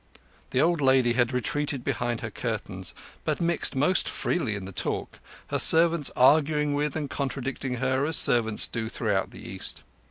The old lady had retreated behind her curtains, but mixed most freely in the talk, her servants arguing with and contradicting her as servants do throughout the East.